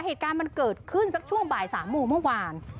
เหตุการณ์มันเกิดขึ้นสักช่วงบ่าย๓โมงเมื่อวาน